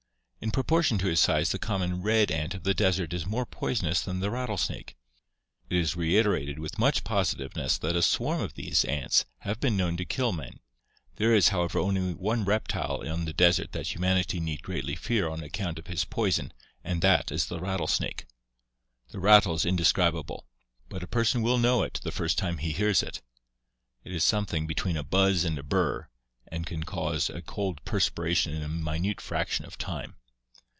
In proportion to his size the common red ant of the desert is more poisonous than the rattlesnake. It is reiterated with much positiveness that a swarm of these ants have been known to kill men. There is, however, only one reptile on the desert that humanity need greatly fear on account of his poison and that is the rattlesnake. ... The rattle is indescribable, but a person will know it the first time he hears it. It is something between a buzz and a burr, and can cause a cold perspiration in a minute fraction of time.